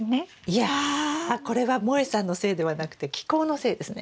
いやこれはもえさんのせいではなくて気候のせいですね